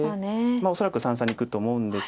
恐らく三々にいくと思うんです。